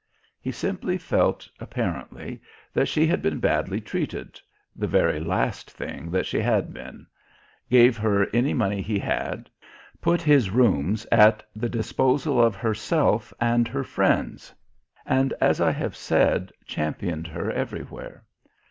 He simply felt apparently that she had been badly treated (the very last thing that she had been), gave her any money he had, put his rooms at the disposal of herself and her friends, and, as I have said, championed her everywhere.